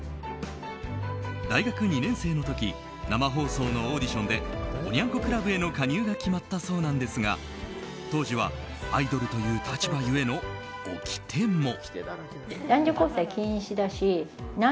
大学２年生の時生放送のオーディションでおニャン子クラブへの加入が決まったそうなんですが当時はアイドルという立場ゆえの掟も。